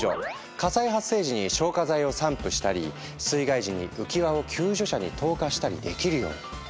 火災発生時に消火剤を散布したり水害時に浮き輪を救助者に投下したりできるように。